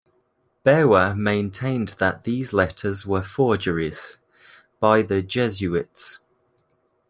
Bower maintained that these letters were forgeries, by the Jesuits.